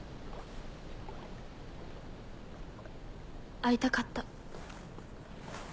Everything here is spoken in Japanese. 会いたかった。